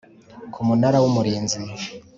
k Umunara w Umurinzi